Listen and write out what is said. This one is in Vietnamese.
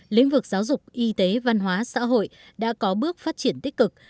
lĩnh vực giáo dục y tế văn hóa xã hội đã có bước phát triển tích cực